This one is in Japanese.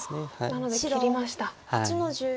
なので切りました。